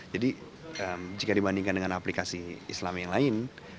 jadi jika dibandingkan dengan aplikasi islam yang lain